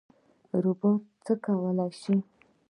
روبوټونه څه کولی شي؟